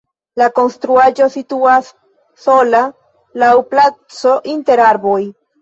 La konstruaĵo situas sola laŭ placo inter arboj.